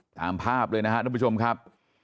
ตามภาพเลยนะครับต้องผิดชวมครับ